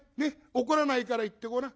怒らないから言ってごらん。